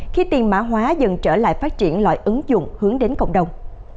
khi tiền mã hóa dần trở lại phát triển loại ứng dụng hướng đến cộng đồng